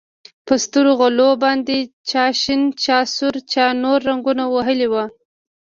په سترغلو باندې چا شين چا سور چا نور رنګونه وهلي وو.